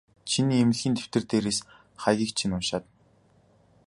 Чиний эмнэлгийн дэвтэр дээрээс хаягийг чинь уншаад.